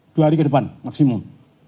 dua hari ke depan maksimum